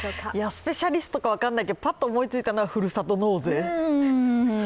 スペシャリストか分からないけど、パッと思いついたのはふるさと納税。